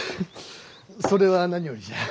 それは何よりじゃ。